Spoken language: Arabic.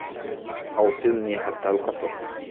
أوصلني حتى القصر.